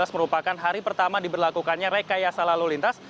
dua ribu tujuh belas merupakan hari pertama diberlakukannya rekayasa lalu lintas